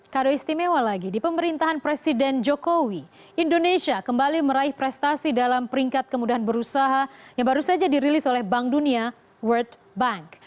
kado istimewa lagi di pemerintahan presiden jokowi indonesia kembali meraih prestasi dalam peringkat kemudahan berusaha yang baru saja dirilis oleh bank dunia world bank